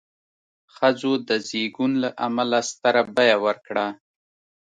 ښځو د زېږون له امله ستره بیه ورکړه.